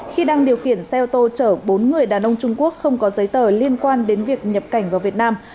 khi đang điều khiển xe ô tô chở bốn người đàn ông trung quốc không có giấy tờ liên quan đến việc nhập cảnh vào việt nam